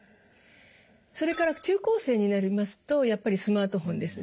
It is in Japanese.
それから中高生になりますとやっぱりスマートフォンです。